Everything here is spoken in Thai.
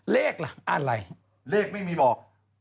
เลขล่ะอะไรเลขไม่มีบอก